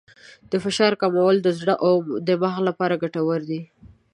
د فشار کمول د زړه او دماغ لپاره ګټور دي.